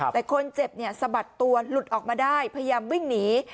แต่คนเจ็บเนี่ยสะบัดตัวหลุดออกมาได้พยายามวิ่งหนี